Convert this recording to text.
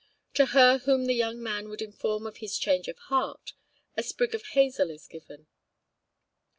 To her whom the young man would inform of his change of heart, a sprig of hazel is given.